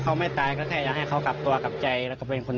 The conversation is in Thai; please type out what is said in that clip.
เขาไม่ตายแค่ให้เขากลับตัวกับใจและเป็นความ